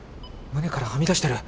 胸からはみ出してる！